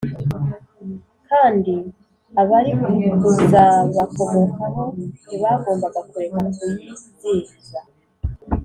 kandi abari kuzabakomokaho ntibagombaga kureka kuyizihiza